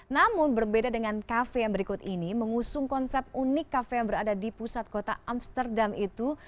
namun berbeda dengan kafe yang berikut ini mengusung konsep unik kafe yang berada di pusat kota amsterdam itu